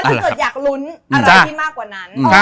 เชียวกันพนันนะฮะ